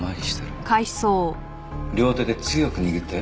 両手で強く握って。